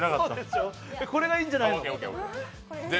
これがいいんじゃないの？